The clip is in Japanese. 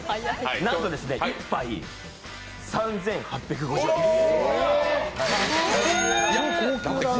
なんと１杯３８５０円です。